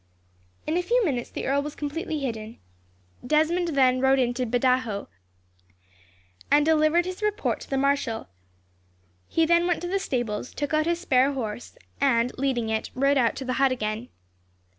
In a few minutes, the earl was completely hidden. Desmond then rode into Badajos, and delivered his report to the marshal. He then went to the stables, took out his spare horse, and, leading it, rode out to the hut again.